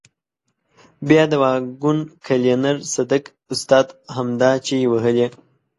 بیا د واګون کلینر صدک استاد همدا چیغې وهلې.